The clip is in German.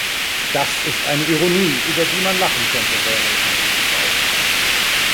Das ist eine Ironie, über die man lachen könnte, wäre es nicht so traurig.